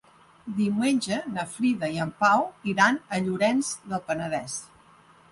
Diumenge na Frida i en Pau iran a Llorenç del Penedès.